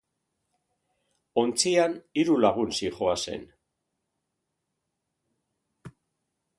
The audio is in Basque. Ontzian hiru lagun zihoazen.